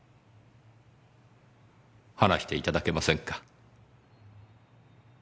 話していただけませんか？